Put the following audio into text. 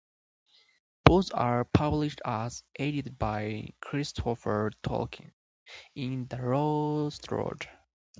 Both are published, as edited by Christopher Tolkien, in "The Lost Road".